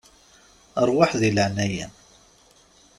Ṛwaḥ di leƐnaya-m.